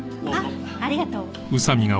あっありがとう。